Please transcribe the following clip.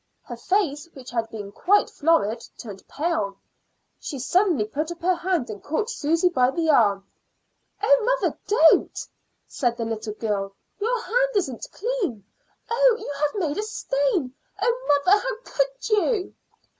Her face, which had been quite florid, turned pale. She suddenly put up her hand and caught Susy by the arm. "Oh, mother, don't!" said the little girl. "Your hand isn't clean. Oh, you have made a stain! Oh, mother, how could you?"